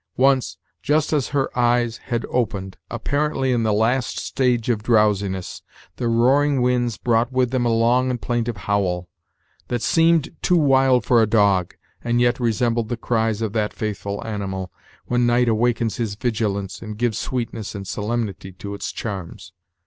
Once, just as her eyes had opened, apparently in the last stage of drowsiness, the roaring winds brought with them a long and plaintive howl, that seemed too wild for a dog, and yet resembled the cries of that faithful animal, when night awakens his vigilance, and gives sweetness and solemnity to its charms.